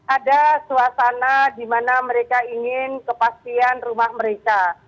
ada suasana di mana mereka ingin kepastian rumah mereka